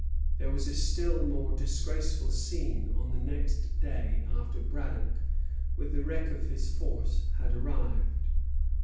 There was a still more disgraceful scene on the next day, after Braddock, with the wreck of his force, had arrived.